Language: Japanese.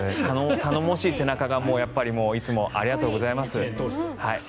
頼もしい背中いつもありがとうございます。